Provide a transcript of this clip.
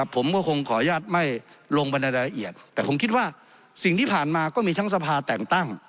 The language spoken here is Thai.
ผมก็คงขออนุญาตไม่ลงบันรายละเอียดแต่ผมคิดว่าสิ่งที่ผ่านมาก็มีทั้งสภาแต่งตั้ง